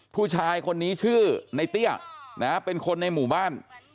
ผู้ชายคนนี้ชื่อในเตี้ยนะเป็นคนในหมู่บ้าน